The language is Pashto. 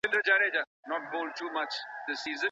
مشران کومو روغتیایي پاملرنو ته اړتیا لري؟